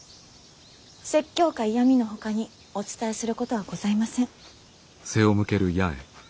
説教か嫌みのほかにお伝えすることはございません。